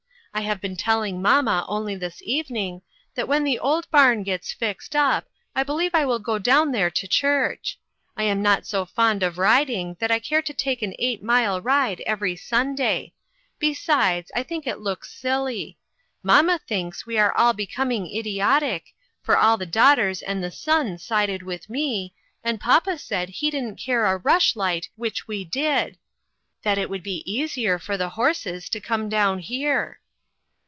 I have been telling mamma only this even ing, that when the old barn gets fixed up, I believe I will go down there to church. I am not so fond of riding that I care to take an eight mile ride every Sunday ; be sides, I think it looks silly. Mamma thinks we are all becoming idiotic, for all the daughters and the son sided with me, and papa said he didn't care a rush light which we did ; that it would be easier for the horses to come down here."